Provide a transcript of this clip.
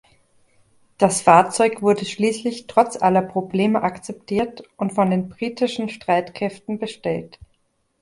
Das Fahrzeug wurde schließlich trotz aller Probleme akzeptiert und von den britischen Streitkräften bestellt.